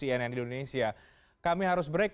cnn indonesia kami harus break